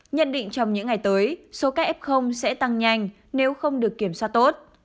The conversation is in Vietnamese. nhận định trong những ngày tới số các f sẽ tăng nhanh nếu không được kiểm soát tốt